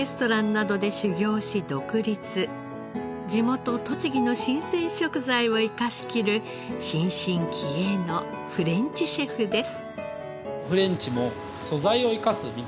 地元栃木の新鮮食材を生かしきる新進気鋭のフレンチシェフです。